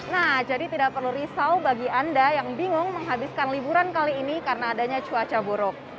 nah jadi tidak perlu risau bagi anda yang bingung menghabiskan liburan kali ini karena adanya cuaca buruk